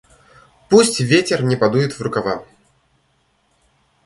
Пусть ветер мне подует в рукава.